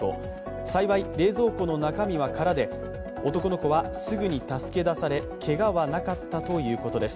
幸い、冷蔵庫の中身は空で、男の子はすぐに助け出されけがはなかったということです。